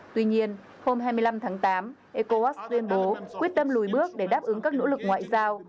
tuy nhiên hôm hai mươi năm tháng tám ecowas tuyên bố quyết tâm lùi bước để đáp ứng các nỗ lực ngoại giao